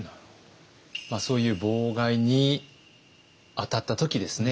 そういう妨害に当たった時ですね